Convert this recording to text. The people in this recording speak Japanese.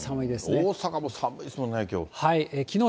大阪も寒いですもんね、きょう。